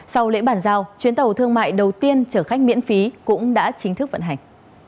sau lễ bàn giao chuyến tàu thương mại đầu tiên chở khách miễn phí cũng đã chính thức vận hành